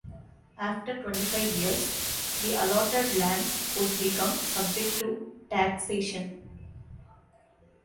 After twenty-five years, the allotted lands would become subject to taxation.